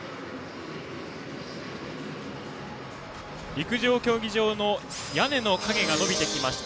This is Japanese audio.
陸上競技場の屋根の影が伸びてきました。